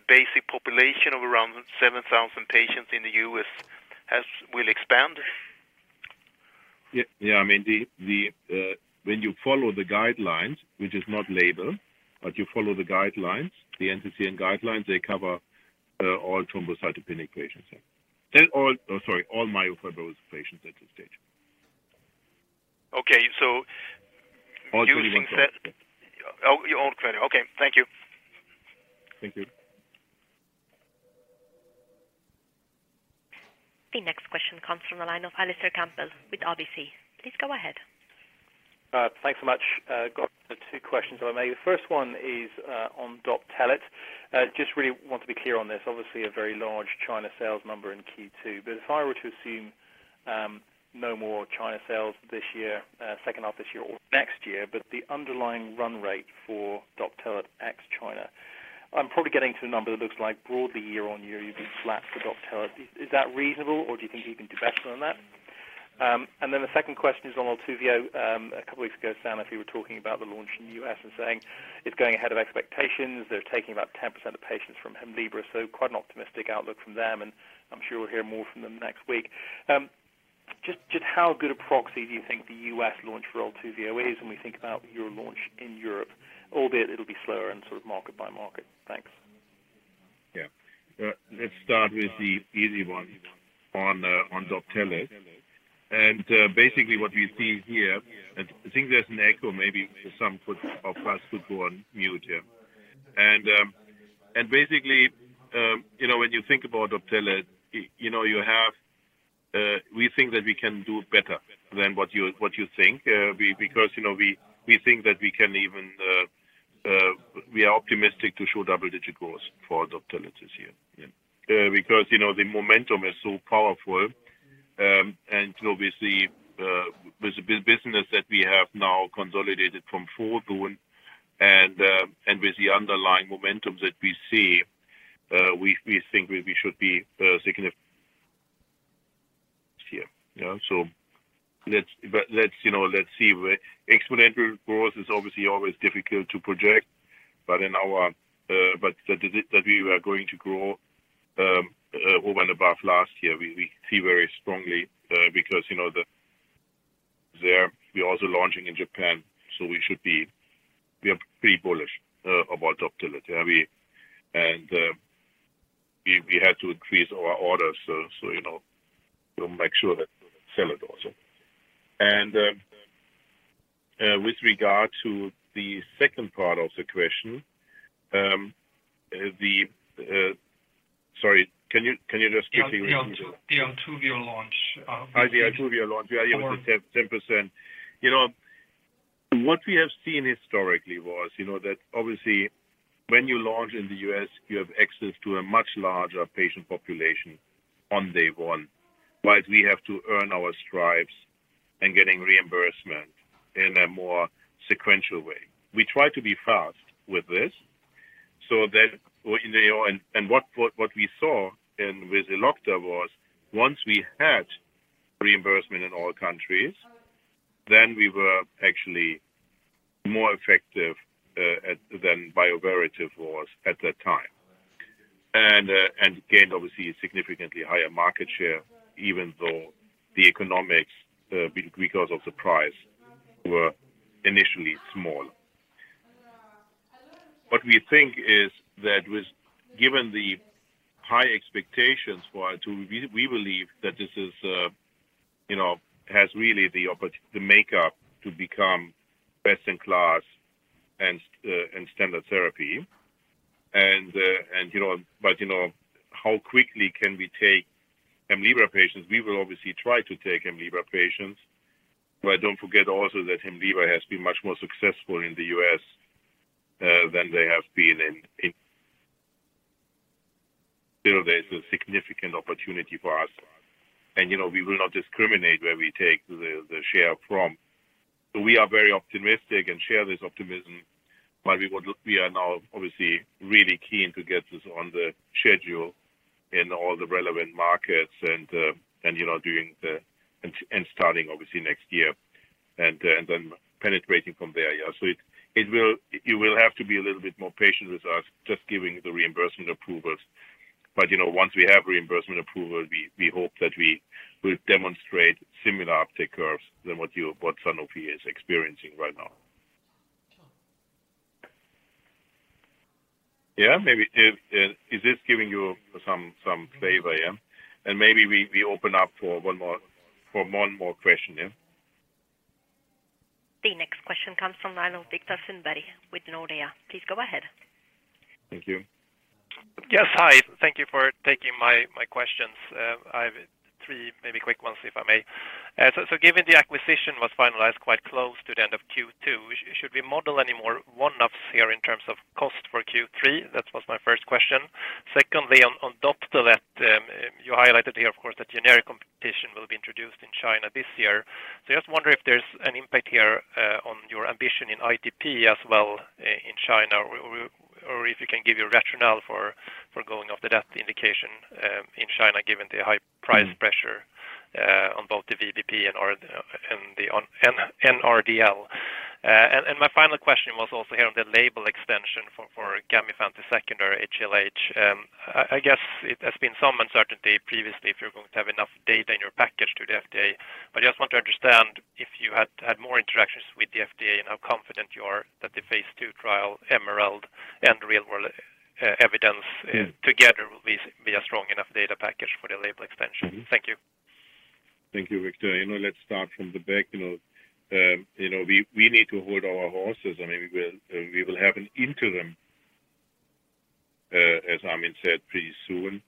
basic population of around 7,000 patients in the US will expand? Yeah, yeah, I mean, the when you follow the guidelines, which is not label, but you follow the guidelines, the NCCN guidelines, they cover all thrombocythemia patients. all myelofibrosis patients at this stage. Okay. All doing well. Oh, your own credit. Okay. Thank you. Thank you. The next question comes from the line of Alistair Campbell with RBC. Please go ahead. Thanks so much. Got two questions I may. The first one is on Doptelet. Just really want to be clear on this. Obviously, a very large China sales number in Q2. If I were to assume no more China sales this year, second half this year or next year, but the underlying run rate for Doptelet ex-China, I'm probably getting to a number that looks like broadly year on year, you'd be flat for Doptelet. Is that reasonable, or do you think you can do better than that? The second question is on ALTUVIIIO. A couple of weeks ago, Sanofi were talking about the launch in the US and saying it's going ahead of expectations. They're taking about 10% of patients from Hemlibra, so quite an optimistic outlook from them, and I'm sure we'll hear more from them next week. Just how good a proxy do you think the U.S. launch for ALTUVIIIO is when we think about your launch in Europe, albeit it'll be slower and sort of market by market? Thanks. Let's start with the easy one on Doptelet. Basically, what we see here, and I think there's an echo, maybe for some of us to go on mute. Basically, you know, when you think about Doptelet, you know, you have, we think that we can do better than what you think. Because, you know, we think that we can even, we are optimistic to show double-digit growth for Doptelet this year. Because, you know, the momentum is so powerful, and obviously, with the business that we have now consolidated from four to one, and with the underlying momentum that we see, we think we should be significant here. Let's, you know, let's see where. Exponential growth is obviously always difficult to project. In our, but that is it, that we are going to grow, over and above last year, we see very strongly, because, you know, there we are also launching in Japan, so we should be. We are pretty bullish, about Orfadin, yeah. We, we had to increase our orders, so you know, to make sure that we sell it also. With regard to the second part of the question, the... Sorry, can you just repeat the question? The ALTUVIIIO launch. The ALTUVIIIO launch. Or- Yeah, you said 10%. You know, what we have seen historically was, you know, that obviously when you launch in the U.S., you have access to a much larger patient population on day 1, whilst we have to earn our stripes in getting reimbursement in a more sequential way. We try to be fast with this, so that, you know, and what we saw in with Elocta was once we had reimbursement in all countries, then we were actually more effective than Bioverativ was at that time. Gained, obviously, a significantly higher market share, even though the economics because of the price, were initially small. What we think is that with given the high expectations for ALTUVOCT, we believe that this is, you know, has really the. the makeup to become best in class and standard therapy. and, you know, but, you know, how quickly can we take Hemlibra patients? We will obviously try to take Hemlibra patients, but don't forget also that Hemlibra has been much more successful in the U.S. than they have been. Still, there is a significant opportunity for us, and, you know, we will not discriminate where we take the share from. We are very optimistic and share this optimism, but we are now obviously really keen to get this on the schedule in all the relevant markets and, you know, doing the and starting obviously next year, and then penetrating from there. Yeah, it will, you will have to be a little bit more patient with us, just giving the reimbursement approvals. You know, once we have reimbursement approval, we hope that we will demonstrate similar uptake curves than what Sanofi is experiencing right now. Sure. Yeah, maybe, is this giving you some flavor, yeah? Maybe we open up for one more question, yeah. The next question comes from the line of Viktor Sundberg with Nordea. Please go ahead. Thank you. Yes. Hi, thank you for taking my questions. I have three maybe quick ones, if I may. Given the acquisition was finalized quite close to the end of Q2, should we model any more one-offs here in terms of cost for Q3? That was my first question. Secondly, on Orfadin, you highlighted here, of course, that generic competition will be introduced in China this year. I just wonder if there's an impact here on your ambition in ITP as well in China, or if you can give your rationale for going after that indication in China, given the high price pressure- Mm-hmm. on both the VBP and R&D, and RDL. My final question was also here on the label extension for Gamifant secondary HLH. I guess it has been some uncertainty previously if you're going to have enough data in your package to the FDA. I just want to understand if you had more interactions with the FDA and how confident you are that the phase two trial, EMERALD, and real world evidence- Mm-hmm. together will be a strong enough data package for the label expansion. Mm-hmm. Thank you. Thank you, Viktor. You know, let's start from the back. You know, you know, we need to hold our horses. I mean, we will have an interim, as Armin said, pretty soon,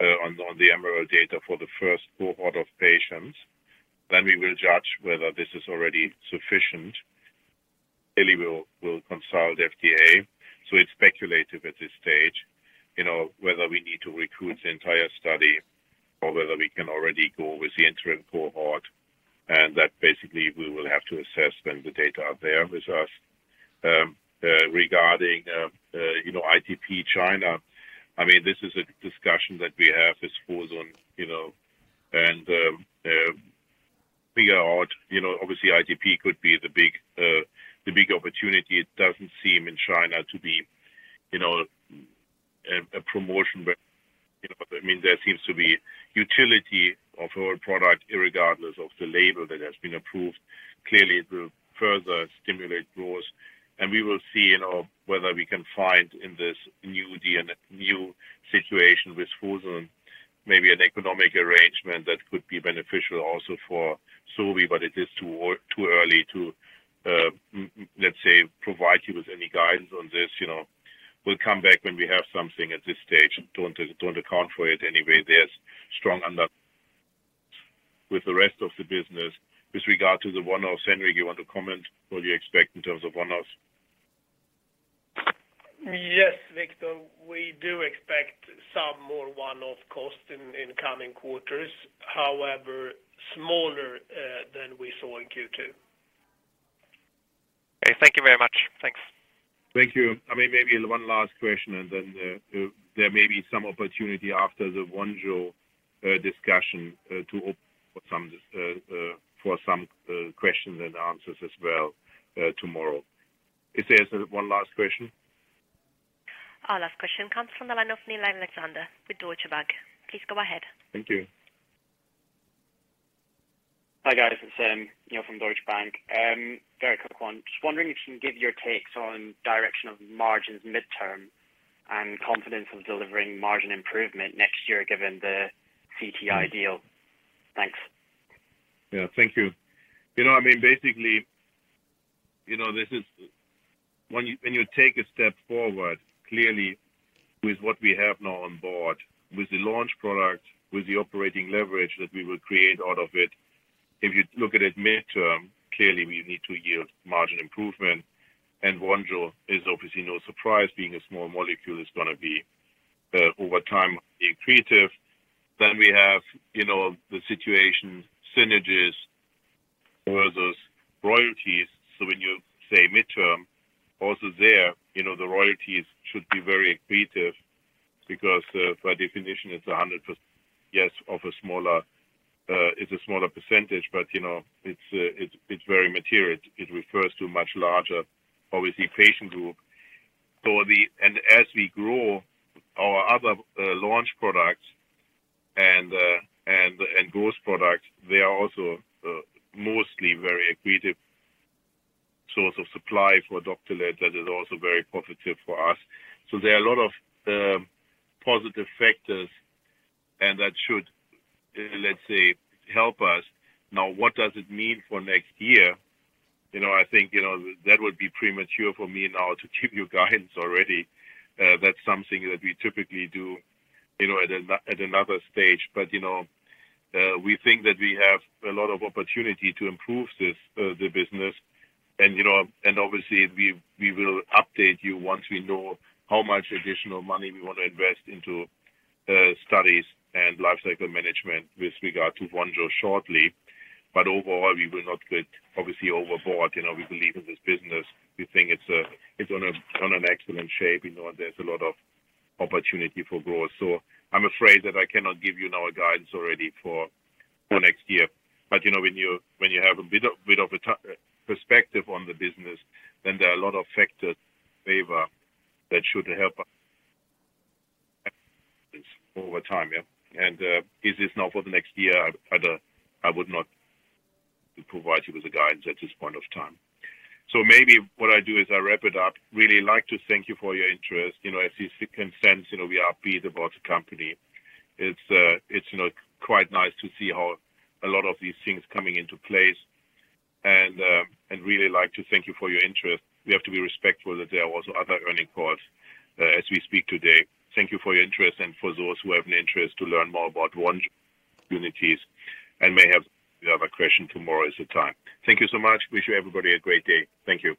on the EMERALD data for the first cohort of patients. We will judge whether this is already sufficient. Clearly, we'll consult the FDA. It's speculative at this stage, you know, whether we need to recruit the entire study or whether we can already go with the interim cohort, and that basically we will have to assess when the data are there with us. Regarding, you know, ITP China, I mean, this is a discussion that we have with Fosun, you know, and we are, you know, obviously ITP could be the big opportunity. It doesn't seem in China to be, you know, a promotion, but, you know, I mean, there seems to be utility of our product irregardless of the label that has been approved. Clearly, it will further stimulate growth, and we will see, you know, whether we can find in this new DN, new situation with Fosun, maybe an economic arrangement that could be beneficial also for Sobi. It is too early to let's say, provide you with any guidance on this. You know, we'll come back when we have something. At this stage, don't account for it anyway. Mm-hmm. There's strong under with the rest of the business. With regard to the one-offs, Henrik, you want to comment what you expect in terms of one-offs? Yes, Viktor, we do expect some more one-off costs in coming quarters. However, smaller than we saw in Q2. Okay, thank you very much. Thanks. Thank you. Maybe one last question, and then, there may be some opportunity after the Vonjo discussion, to open for some questions and answers as well, tomorrow. Is there one last question? Our last question comes from the line of Niall Alexander with Deutsche Bank. Please go ahead. Thank you. Hi, guys. It's Niall from Deutsche Bank. Very quick one. Just wondering if you can give your takes on direction of margins midterm and confidence of delivering margin improvement next year, given the CTI deal? Thanks. Yeah, thank you. You know, I mean, basically, you know, this is when you, when you take a step forward, clearly with what we have now on board, with the launch product, with the operating leverage that we will create out of it. If you look at it midterm, clearly we need to yield margin improvement. Vonjo is obviously no surprise, being a small molecule, is going to be over time, being accretive. We have, you know, the situation synergies versus royalties. When you say midterm, also there, you know, the royalties should be very accretive because by definition, it's 100%, yes, of a smaller, it's a smaller percentage, but, you know, it's very material. It refers to much larger, obviously, patient group. As we grow our other launch products and and growth products, they are also mostly very accretive source of supply for Vonjo, that is also very positive for us. There are a lot of positive factors, and that should, let's say, help us. Now, what does it mean for next year? You know, I think, you know, that would be premature for me now to give you guidance already. That's something that we typically do, you know, at another stage. You know, we think that we have a lot of opportunity to improve this the business. You know, and obviously, we will update you once we know how much additional money we want to invest into studies and life cycle management with regard to Vonjo shortly. Overall, we will not get obviously overboard. You know, we believe in this business. We think it's on an excellent shape. You know, there's a lot of opportunity for growth. I'm afraid that I cannot give you now a guidance already for next year. You know, when you have a bit of a perspective on the business, there are a lot of factors in favor that should help us over time. Yeah. This is now for the next year. I would not provide you with a guidance at this point of time. Maybe what I do is I wrap it up. Really like to thank you for your interest. You know, as you can sense, you know, we are pleased about the company. It's, you know, quite nice to see how a lot of these things coming into place. Really like to thank you for your interest. We have to be respectful that there are also other earning calls as we speak today. Thank you for your interest and for those who have an interest to learn more about Vonjo opportunities and may have another question tomorrow is the time. Thank you so much. Wish everybody a great day. Thank you.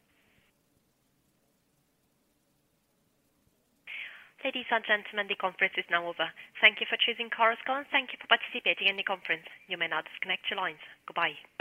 Ladies and gentlemen, the conference is now over. Thank you for choosing Chorus Call, and thank you for participating in the conference. You may now disconnect your lines. Goodbye.